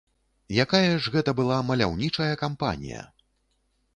Якая ж гэта была маляўнічая кампанія!